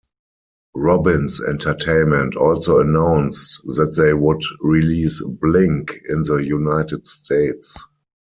Robbins Entertainment also announced that they would release "Blink" in the United States.